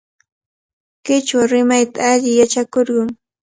Qichwa rimayta allimi yachakurqun.